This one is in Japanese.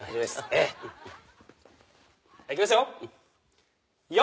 ええ。いきますよ。